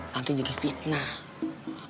nanti jadi fitnah